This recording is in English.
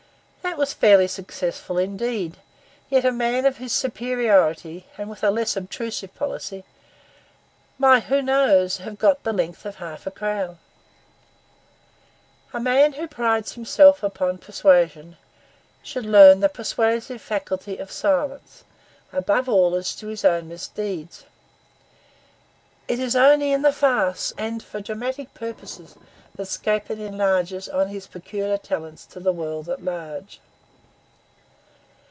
That was fairly successful indeed; yet a man of his superiority, and with a less obtrusive policy, might, who knows? have got the length of half a crown. A man who prides himself upon persuasion should learn the persuasive faculty of silence, above all as to his own misdeeds. It is only in the farce and for dramatic purposes that Scapin enlarges on his peculiar talents to the world at large.